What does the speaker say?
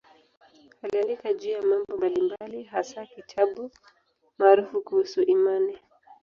Aliandika juu ya mambo mbalimbali, hasa kitabu maarufu kuhusu imani.